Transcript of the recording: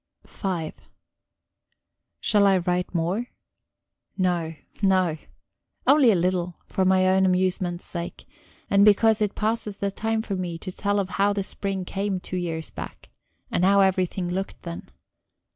V Shall I write more? No, no. Only a little for my own amusement's sake, and because it passes the time for me to tell of how the spring came two years back, and how everything looked then.